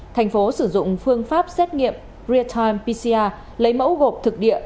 thành phố sử dụng phương pháp xét nghiệm real time pcr lấy mẫu gộp thực địa